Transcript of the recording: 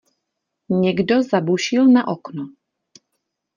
Někdo zabušil na okno.